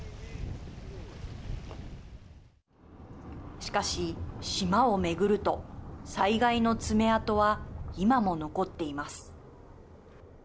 しかし、島を巡ると災害の爪痕は今も残っています。